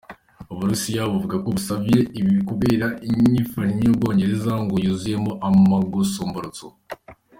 Uburusiya buvuga ko busavye ibi kubera inyifayo y'Ubwongereza ngo yuzuyemwo agasomborotso.